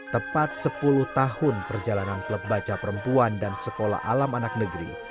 tepat sepuluh tahun perjalanan klub baca perempuan dan sekolah alam anak negeri